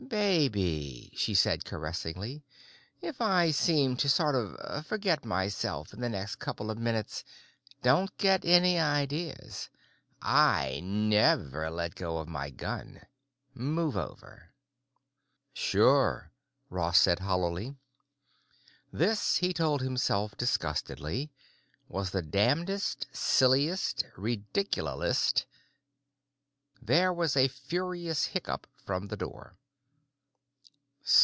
"Baby," she said caressingly, "if I seem to sort of forget myself in the next couple of minutes, don't get any ideas. I never let go of my gun. Move over." "Sure," Ross said hollowly. This, he told himself disgustedly, was the damnedest, silliest, ridiculousest.... There was a furious hiccup from the door.